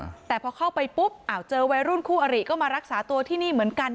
อืมแต่พอเข้าไปปุ๊บอ่าเจอวัยรุ่นคู่อริก็มารักษาตัวที่นี่เหมือนกัน